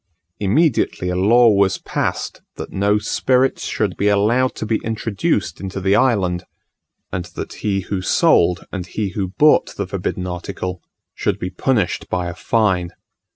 Immediately a law was passed, that no spirits should be allowed to be introduced into the island, and that he who sold and he who bought the forbidden article should be punished by a fine.